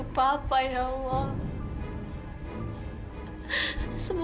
katanya gak ada